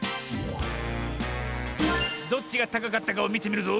どっちがたかかったかをみてみるぞ。